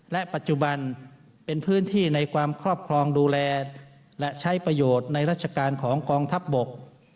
และปัจจุบันเป็นพื้นที่ในความครอบครองดูแลและใช้ประโยชน์ในราชการของกองทัพบก